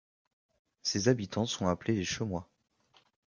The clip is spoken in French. Ses habitants sont appelés les Chaumois.